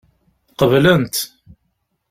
Qeblent.